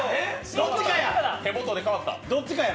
どっちかや！